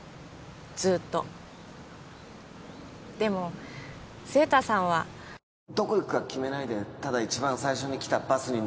ずっとでも晴太さんはどこ行くか決めないでただ一番最初に来たバスに